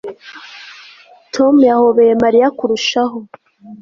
Tom yahobeye Mariya kurushaho